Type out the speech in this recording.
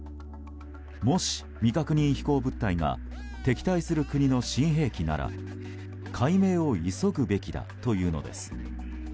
もし未確認飛行物体が敵対する国の新兵器なら解明を急ぐべきだというのです。